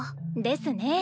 ですね。